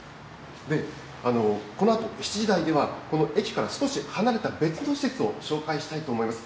このあと７時台では、この駅から少し離れた別の施設を紹介したいと思います。